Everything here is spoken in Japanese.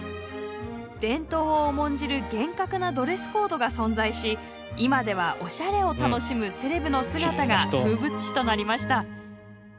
伝統を重んじる厳格なドレスコードが存在し今ではおしゃれを楽しむセレブの姿が風物詩となりました。